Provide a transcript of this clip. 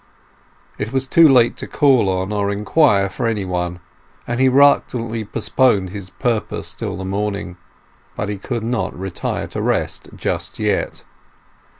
It was too late to call on or inquire for any one, and he reluctantly postponed his purpose till the morning. But he could not retire to rest just yet.